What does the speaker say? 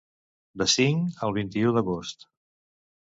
De cinc al vint-i-u d’agost.